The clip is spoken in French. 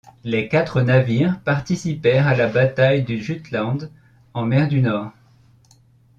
Les quatre navires participèrent à la bataille du Jutland en mer du Nord.